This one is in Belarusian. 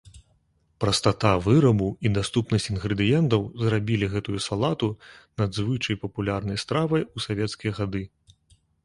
Прастата вырабу і даступнасць інгрэдыентаў зрабілі гэтую салату надзвычай папулярнай стравай у савецкія гады.